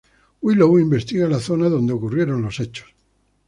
Willow investiga la zona donde ocurrieron los hechos.